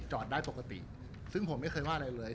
ได้ปกติซึ่งผมไม่เคยว่าอะไรเลย